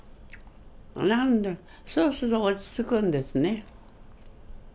何だかそうすると落ち着くんですね。